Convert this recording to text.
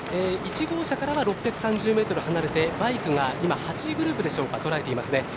１号車からは６３０ｍ離れてバイクが今、８位グループでしょうか捉えていますね。